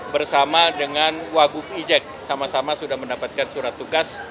bersama dengan wagub ijek sama sama sudah mendapatkan surat tugas